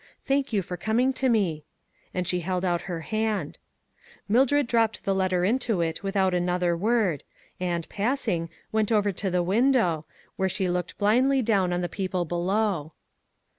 Thank you for coming to me," and she held out her hand. SHADOWED LIVES. 379 Mildred dropped the letter into it without another word, and, passing, went over to the window, where she looked blindly down on the people below.